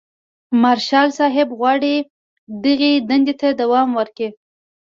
مارشال صاحب غواړي دغې دندې ته دوام ورکړي.